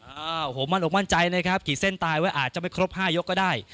โอ้โหมั่นอกมั่นใจนะครับกี่เส้นตายว่าอาจจะไม่ครบ๕ยกก็ได้